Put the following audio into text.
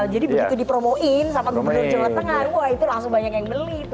jadi begitu dipromoin sama berjualan tengah